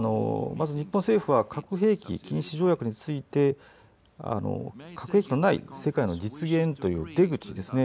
まず日本政府は核兵器禁止条約について核兵器のない世界の実現という出口ですね